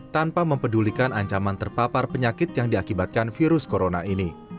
tanpa mempedulikan ancaman terpapar penyakit yang diakibatkan virus corona ini